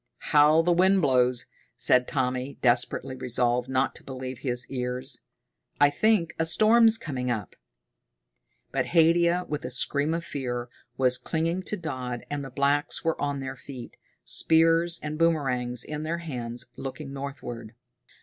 "How the wind blows," said Tommy, desperately resolved not to believe his ears. "I think a storm's coming up." But Haidia, with a scream of fear, was clinging to Dodd, and the blacks were on their feet, spears and boomerangs in their hands, looking northward.